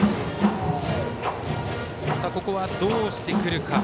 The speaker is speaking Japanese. ここはどうしてくるか。